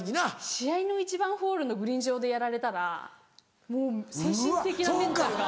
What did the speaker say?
試合の１番ホールのグリーン上でやられたらもう精神的なメンタルが。